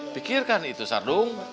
pikirkan itu sardung